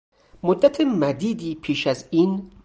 مدت مدیدی پیش از این